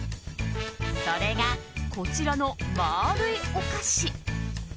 それが、こちらの丸いお菓子。